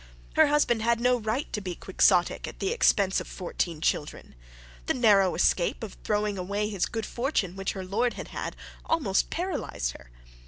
Her husband had no right to be Quixotic at the expense of fourteen children. The narrow escape of throwing away his good fortune which her lord had had, almost paralysed her.